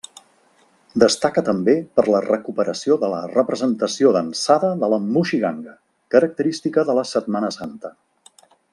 Destaca també per la recuperació de la representació dansada de la Moixiganga, característica de la Setmana Santa.